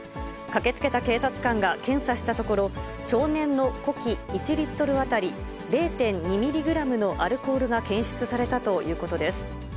駆けつけた警察官が検査したところ、少年の呼気１リットル当たり０．２ミリグラムのアルコールが検出されたということです。